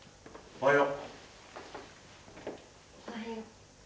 おはよう。